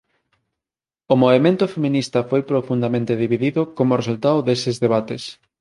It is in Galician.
O movemento feminista foi profundamente dividido como resultado deses debates.